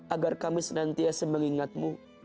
agar kami senantiasa mengingat mu